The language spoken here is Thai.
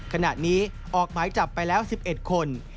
ขณะนี้ออกหมายจับไปแล้ว๑๑คน